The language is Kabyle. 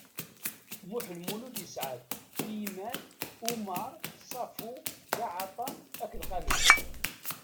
Muḥ Lmulud isɛa-d: Tiyman, Umar, Ṣafu, Gaɛatam akked Qanaz.